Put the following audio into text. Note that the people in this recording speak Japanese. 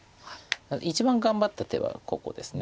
一番頑張った手はここです。